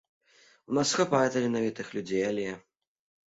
У нас хапае таленавітых людзей, але!